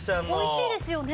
おいしいですよね。